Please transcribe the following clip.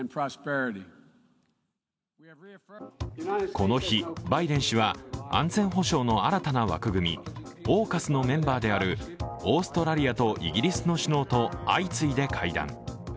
この日、バイデン氏は安全保障の新たな枠組みＡＵＫＵＳのメンバーであるオーストラリアとイギリスの首脳と相次いで会談。